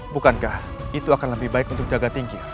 bukankah itu akan lebih baik untuk jaga tinggi